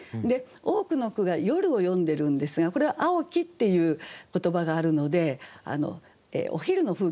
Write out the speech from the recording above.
多くの句が夜を詠んでるんですがこれは「蒼き」っていう言葉があるのでお昼の風景ですよね。